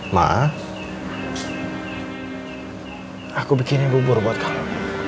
maaf aku bikinin bubur buat kamu